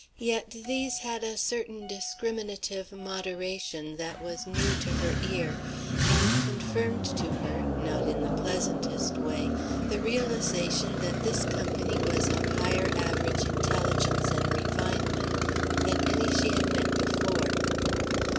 Yet these had a certain discriminative moderation that was new to her ear, and confirmed to her, not in the pleasantest way, the realization that this company was of higher average intelligence and refinement than any she had met before.